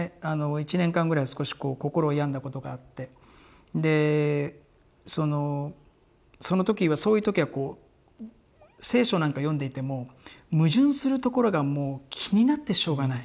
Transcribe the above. １年間ぐらい少し心を病んだことがあってそういう時は「聖書」なんか読んでいても矛盾するところがもう気になってしょうがない。